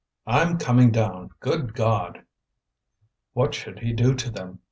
"I'm coming down, good God!" What should he do to them?